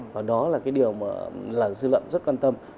và đó là cái điều mà dư luận rất quan tâm